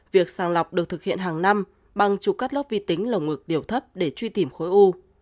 việc sàng lọc được thực hiện hàng năm bằng chụp cắt lớp vi tính lồng ngực điều thấp để truy tìm khối u